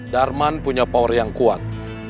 darman punya power yang kuat